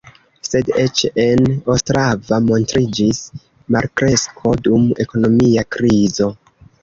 Sed eĉ en Ostrava montriĝis malkresko dum ekonomia krizo.